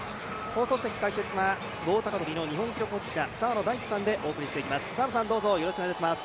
放送席解説は棒高跳の日本記録保持者、澤野大地さんでお送りしていきます。